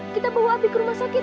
kita bawa api ke rumah sakit